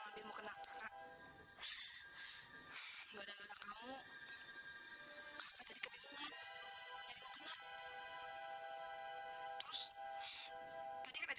orang rumahnya bagus kok boleh tinggal lagi